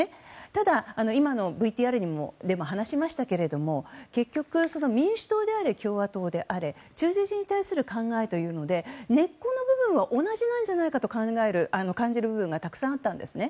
ただ、今のＶＴＲでも話しましたけれども結局、民主党であれ共和党であれ中絶に対する考えというので根っこの部分は同じなんじゃないかと感じる部分があったんですね。